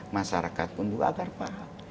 masyarakat pun agar paham